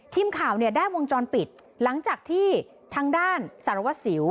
ทีมข่าวเนี่ยได้วงจรปิดหลังจากที่ทางด้านสารวัตรสิว